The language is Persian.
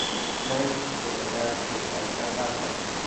زنگ که صدا کرد از بستر برخاستم.